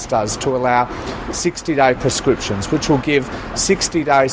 yang akan memberikan penyelidikan enam puluh hari